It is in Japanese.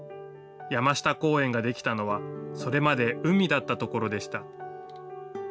山下公園が出来たのは、それまで海だった所でした。